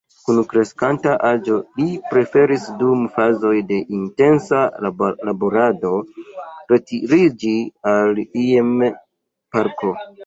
Kun kreskanta aĝo li preferis dum fazoj de intensa laborado retiriĝi al Ilm-parko.